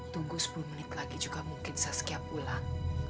tunggu sepuluh menit lagi juga mungkin saskia pulang